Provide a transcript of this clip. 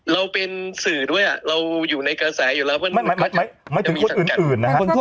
เราเป็นสื่อด้วยเราอยู่ในกระแสอยู่แล้วไม่ถึงคนอื่นนะฮะ